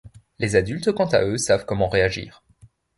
Les adultes quant à eux, savent comment réagir.